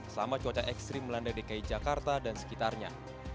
selama cuaca ekstrim melanda dki jakarta dan sekitarnya